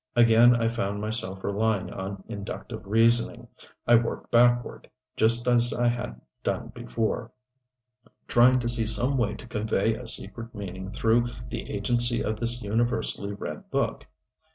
Again I found myself relying on inductive reasoning. I worked backward, just as I had done before, trying to see some way to convey a secret meaning through the agency of this universally read book.